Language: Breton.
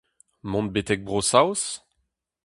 Mont betek Bro-Saoz ?